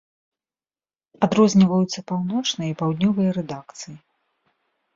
Адрозніваюцца паўночная і паўднёвая рэдакцыі.